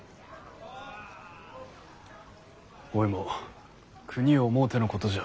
おいも国を思うてのことじゃ。